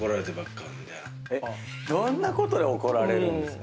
どんなことで怒られるんですか？